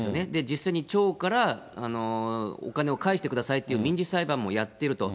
実際に町から、お金を返してくださいっていう民事裁判もやっていると。